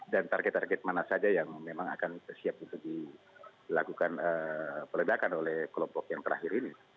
dan target target mana saja yang memang akan siap untuk dilakukan peledakan oleh kelompok yang terakhir ini